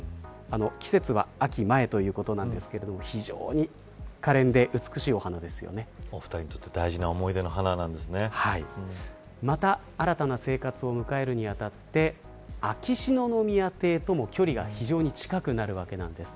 季節は秋前ということなんですけれども非常にかれんでお二人にとってまた新たな生活を迎えるにあたって秋篠宮邸とも距離が非常に近くなるわけです。